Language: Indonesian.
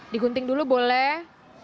digunting dulu boleh